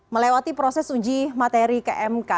melewati proses uji materi kmk